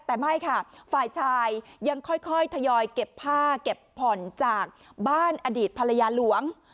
แต่ไม่ค่ะฝ่ายชายยังค่อยทยอยเก็บผ้าเก็บผ่อนจากบ้านอดีตภรรยาหลวง